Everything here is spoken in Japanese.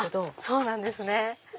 そうなんですね。